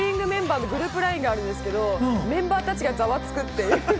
メンバーでグループＬＩＮＥがあるんですけど、メンバーたちがざわつくっていう。